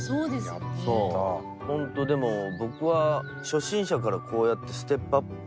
ホントでも僕は初心者からこうやってステップアップ